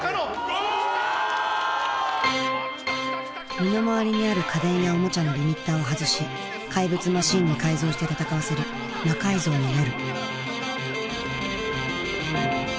身の回りにある家電やおもちゃのリミッターを外し怪物マシンに改造して戦わせる「魔改造の夜」。